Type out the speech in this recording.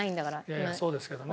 いやいやそうですけどね。